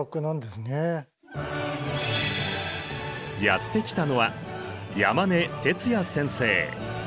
やって来たのは山根徹也先生。